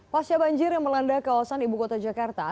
pasca banjir yang melanda kawasan ibu kota jakarta